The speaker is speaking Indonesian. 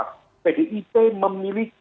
pdip memiliki tahan pemerintah